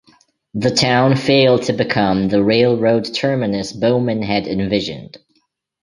The town failed to become the railroad terminus Bowman had envisioned.